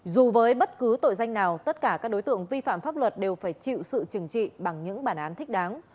dù với bất cứ tội danh nào tất cả các đối tượng vi phạm pháp luật đều phải chịu sự trừng trị bằng những bản án thích đáng